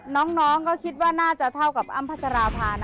น้องก็คิดว่าน่าจะเท่ากับอ้ำพัชราภานะ